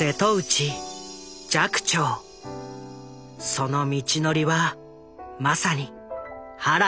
その道のりはまさに波乱万丈。